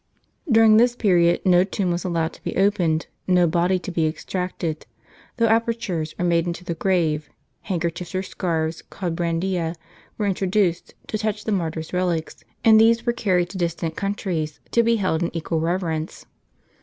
During this period, no tomb was allowed to be opened, no body to be extracted. Through apertures made into the grave, handkerchiefs or scarfs, called brandea, were intro duced, to touch the martyr's relics ; and these were carried to distant countries, to be held in equal reverence.